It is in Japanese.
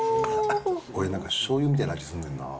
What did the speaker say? これなんかしょうゆみたいな味すんねんな。